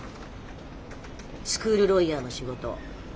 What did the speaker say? スクールロイヤーの仕事。